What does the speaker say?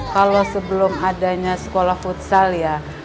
kalau sebelum adanya sekolah futsal ya